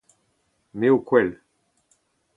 Me ho kwel.